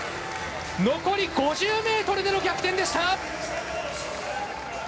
残り５０ｍでの逆転でした。